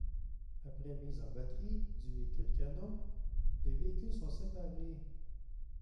Après mise en batterie du véhicule-canon, les véhicules sont séparés.